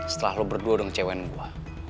setelah lo berdua udah ngecewein gue